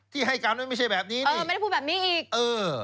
ที่ให้การนั้นไม่ใช่แบบนี้นะเออไม่ได้พูดแบบนี้อีกเออ